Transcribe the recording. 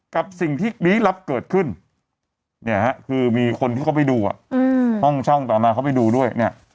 กับสิ่งที่รีย์รับเกิดขึ้นคือมีคนที่เขาไปดูห้องเช่องต่อมาเขาไปดูด้วย